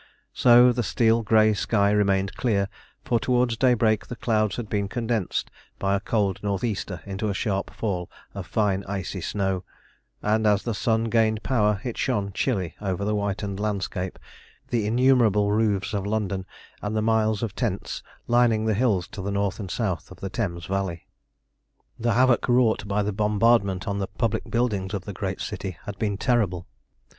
So the steel grey sky remained clear, for towards daybreak the clouds had been condensed by a cold north easter into a sharp fall of fine, icy snow, and as the sun gained power it shone chilly over the whitened landscape, the innumerable roofs of London, and the miles of tents lining the hills to the north and south of the Thames valley. The havoc wrought by the bombardment on the public buildings of the great city had been terrible.